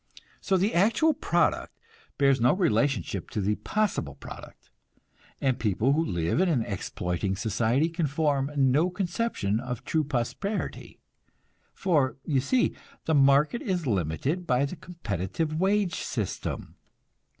So the actual product bears no relationship to the possible product, and people who live in an exploiting society can form no conception of true prosperity. For, you see, the market is limited by the competitive wage system.